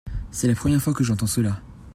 c'est la première fois que j'entends cela.